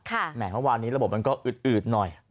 แหมเมื่อวานนี้ระบบมันก็อืดหน่อย